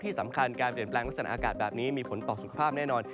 ที่สำคัญการเปลี่ยนแปลงลักษณะอากาศแบบนี้มีผลต่อสุขภาพแน่นอน